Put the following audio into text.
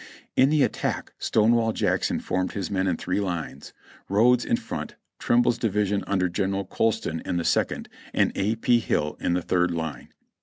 In the attack Stonewall Jackson formed his men in three lines, Rodes in front, Trimble's division under General Colston in the second, and A. P. Hill in the third line.